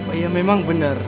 oh iya memang benar